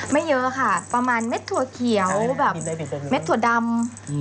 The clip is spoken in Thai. ไม่เยอะค่ะประมาณเม็ดถั่วเขียวแบบเม็ดถั่วดำ